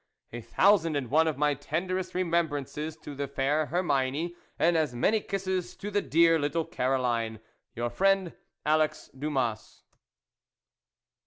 A thousand and one of my tenderest remembrances to the fair Herminie, and as many kisses to the dear little Caroline. " Your friend, "ALEX. DUMAS."